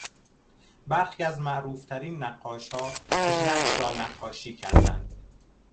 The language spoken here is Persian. برخی از معروفترین نقاشها چهرهاش را نقاشی کردند.